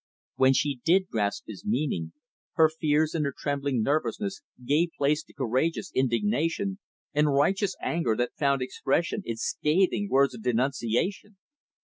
When she did grasp his meaning, her fears and her trembling nervousness gave place to courageous indignation and righteous anger that found expression in scathing words of denunciation.